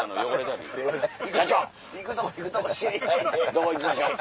「どこ行きましょう？」。